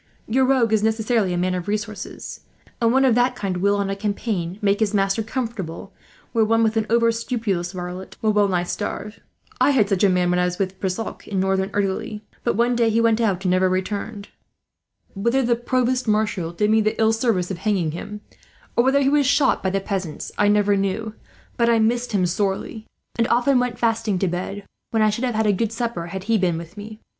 Your rogue is necessarily a man of resources; and one of that kind will, on a campaign, make his master comfortable, where one with an over scrupulous varlet will well nigh starve. I had such a man, when I was with Brissac in Northern Italy; but one day he went out, and never returned. Whether a provost marshal did me the ill service of hanging him, or whether he was shot by the peasants, I never knew; but I missed him sorely, and often went fasting to bed, when I should have had a good supper had he been with me.